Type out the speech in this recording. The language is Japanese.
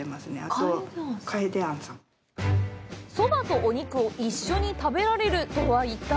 そばとお肉を一緒に食べられるとは一体！？